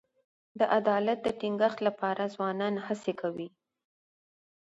د عدالت د ټینګښت لپاره ځوانان هڅې کوي.